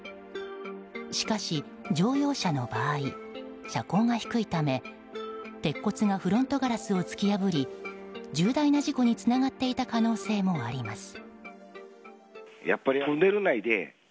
しかし、乗用車の場合車高が低いため鉄骨がフロントガラスを突き破り重大な事故につながっていた可能性もあります。